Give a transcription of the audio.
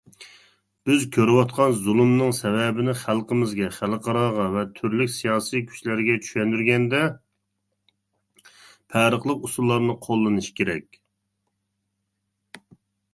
بىز كۆرۈۋاتقان زۇلۇمنىڭ سەۋەبىنى خەلقىمىزگە، خەلقئاراغا ۋە تۈرلۈك سىياسىي كۈچلەرگە چۈشەندۈرگەندە پەرقلىق ئۇسۇللارنى قوللىنىش كېرەك.